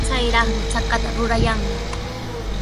Chayraqmi chakata rurayanqa.